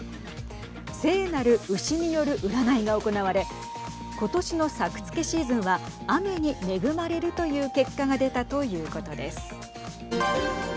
聖なる牛による占いが行われことしの作付けシーズンは雨に恵まれるという結果が出たということです。